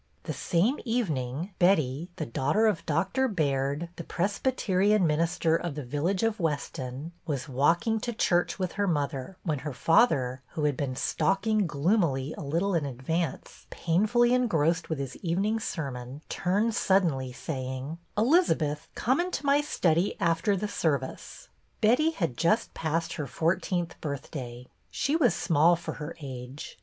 The same evening, Betty, the daughter of Doctor Baird, the Presbyterian minister of the village of Weston, was walking to church with her mother, when her father, who had been stalking gloomily a little in advance, painfully engrossed with his evening sermon, turned suddenly, saying, —" Elizabeth, come into my study after the service." Betty had just passed her fourteenth birth day. She was small for her age.